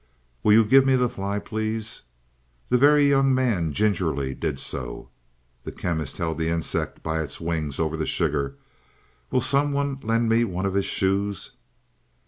"Will you give me the fly, please?" The Very Young Man gingerly did so. The Chemist held the insect by its wings over the sugar. "Will someone lend me one of his shoes?"